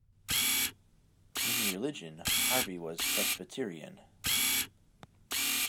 In religion, Harvey was a Presbyterian.